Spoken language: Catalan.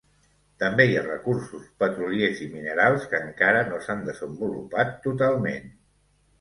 També hi ha recursos petroliers i minerals que encara no s'han desenvolupat totalment.